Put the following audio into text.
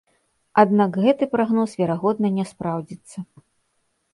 Аднак гэты прагноз верагодна не спраўдзіцца.